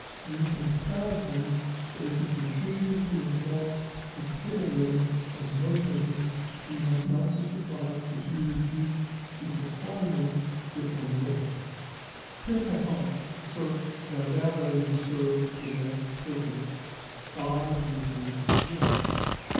1665 ); "You can tell him that if he continues too employ his table linen as note paper he must not be surprised if you refuse to supply him with any more" ( 21st Nov. 1667). Pere Papon asserts that a valet who served the masked prisoner died in his master's room.